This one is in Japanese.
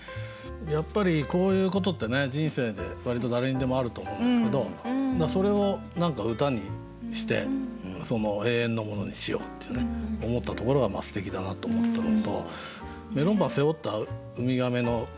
やっぱりこういうことって人生で割と誰にでもあると思うんですけどそれを何か歌にして永遠のものにしようっていうね思ったところがすてきだなと思ったのとメロンパン背負ったウミガメのパンってありますもんね。